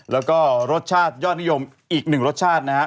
แล้วก็รสชาติยอดนิยมอีกหนึ่งรสชาตินะฮะ